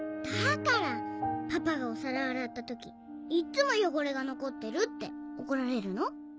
だからパパがお皿洗った時いっつも汚れが残ってるって怒られるの？